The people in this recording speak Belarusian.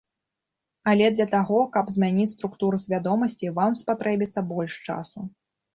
Але для таго, каб змяніць структуры свядомасці, вам спатрэбіцца больш часу.